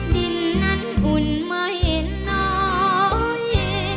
ดินนั้นอุ่นไม่เห็นน้อย